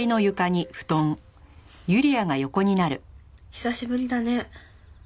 久しぶりだね。